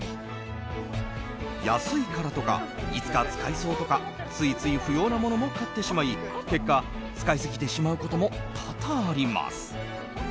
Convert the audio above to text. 安いからとかいつか使いそうとかついつい不要なものも買ってしまい結局、使い過ぎてしまうことも多々あります。